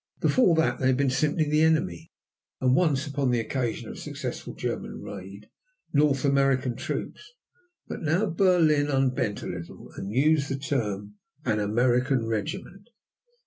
Before that they had been simply "the enemy," and once, upon the occasion of a successful German raid, North American troops. But now Berlin unbent a little and used the term "an American regiment."